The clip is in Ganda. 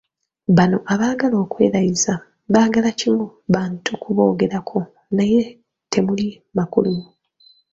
Bano abaagala okwerayiza, baagala kimu bantu ku boogerako naye temuli makulu.